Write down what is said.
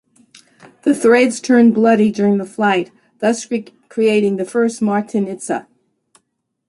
The threads turned bloody during the flight, thus creating the first Martenitsa.